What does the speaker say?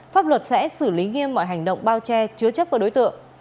pháp luật sẽ xử lý nghiêm mọi hành động bao che chứa chấp của đối tượng